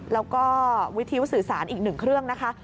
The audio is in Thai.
แล้วก็วิธีวิทยุสื่อสารอีกหนึ่งเครื่องนะคะ